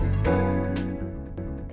ini kan luar biasa